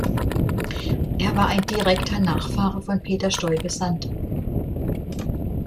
Er war ein direkter Nachfahre von Peter Stuyvesant.